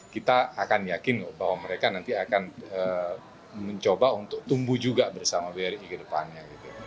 kita akan yakin bahwa mereka nanti akan mencoba untuk tumbuh juga bersama bri ke depannya